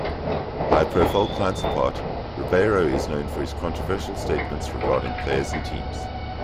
High-profile clients apart, Ribeiro is known for his controversial statements regarding players and teams.